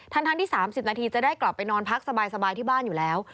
ทั้งที่๓๐นาทีจะได้กลับไปนอนพักสบายที่บ้านอยู่แล้ว